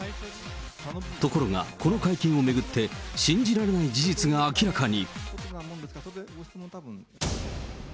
ところがこの会見を巡って、信じられない事実が明らかに。